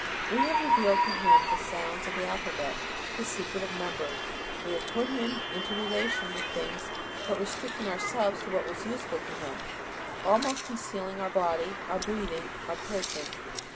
We have revealed to him the sounds of the alphabet, the secret of numbers, we have put him into relation with things but restricting ourselves to what was useful to him, almost concealing our body, our breathing, our person.